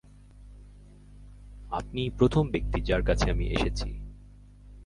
আপনিই প্রথম ব্যক্তি, যাঁর কাছে আমি এসেছি।